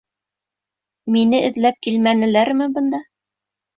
Мине эҙләп килмәнеләрме бында?